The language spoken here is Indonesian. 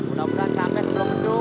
udah berat sampe sebelum beduk